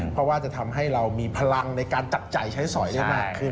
เพราะว่าจะทำให้เรามีพลังในการจับจ่ายใช้สอยได้มากขึ้น